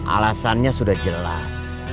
alasannya sudah jelas